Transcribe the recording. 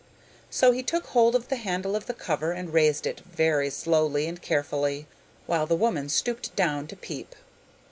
So he took hold of the handle of the cover and raised it very slowly and carefully, while the woman stooped down to peep.